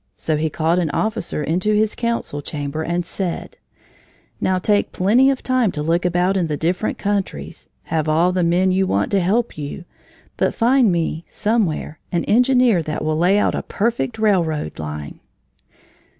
So he called an officer into his council chamber and said: "Now take plenty of time to look about in the different countries, have all the men you want to help you, but find me, somewhere, an engineer that will lay out a perfect railroad line."